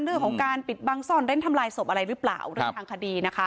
เรื่องของการปิดบางซ่อนเร่งทำลายศพแล้วไหม